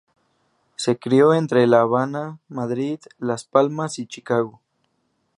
Se crio entre La Habana, Madrid, Las Palmas y Chicago.